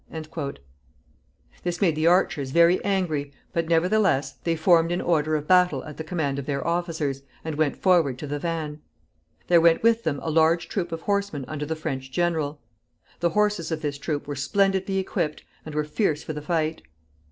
This made the archers very angry, but nevertheless they formed in order of battle at the command of their officers, and went forward to the van. There went with them a large troop of horsemen under the French general. The horses of this troop were splendidly equipped, and were fierce for the fight.